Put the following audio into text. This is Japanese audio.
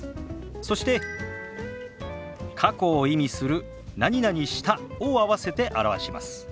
そして過去を意味する「した」を合わせて表します。